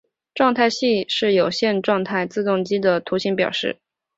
状态器是有限状态自动机的图形表示。